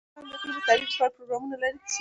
افغانستان د اقلیم د ترویج لپاره پروګرامونه لري.